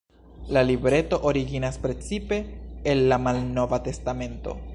La libreto originas precipe el la Malnova Testamento.